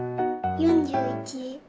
４１。